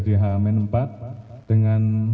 di h empat dengan